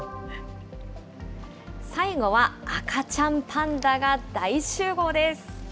最後は、赤ちゃんパンダが大集合です。